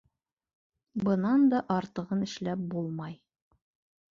Бынан да артығын эшләп булмай.